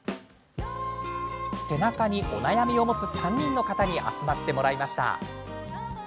背中にお悩みを持つ３人の方に集まってもらいました。